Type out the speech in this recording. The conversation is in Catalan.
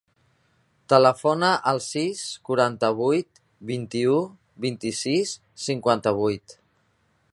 Telefona al sis, quaranta-vuit, vint-i-u, vint-i-sis, cinquanta-vuit.